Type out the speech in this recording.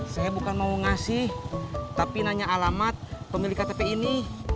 saya bukan mau ngasih tapi nanya alamat pemilik ktp ini